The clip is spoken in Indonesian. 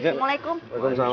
acing kos di rumah aku